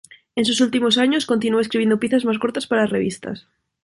En sus últimos años, continuó escribiendo piezas más cortas para revistas.